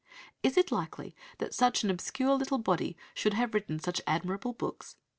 Is it likely that such an obscure little body should have written such admirable books?